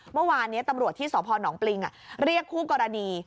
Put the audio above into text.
เมื่อวานนี้ตำรวจที่สพนปริงเรียกคู่กรณี